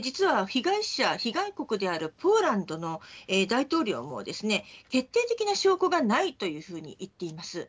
実は被害国であるポーランドの大統領も決定的な証拠がないといっています。